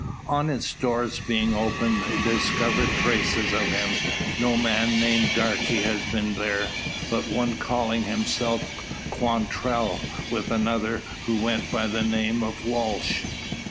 On its doors being opened, they discover traces of him. No man named Darke has been there, but one calling himself Quantrell, with another, who went by the name of Walsh.